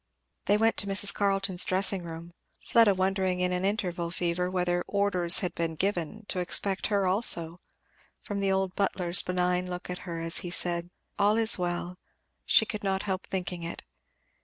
They went to Mrs. Carleton's dressing room, Fleda wondering in an interval fever whether "orders had been given" to expect her also; from the old butler's benign look at her as he said "All is well!" she could not help thinking it.